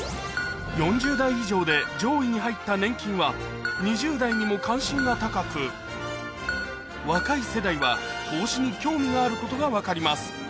４０代以上で上位に入った「年金」は２０代にも関心が高く若い世代は「投資」に興味があることが分かります